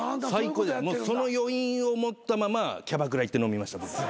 その余韻を持ったままキャバクラ行って飲みました。